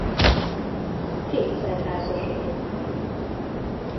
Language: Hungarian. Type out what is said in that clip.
Kétszer házasodott meg.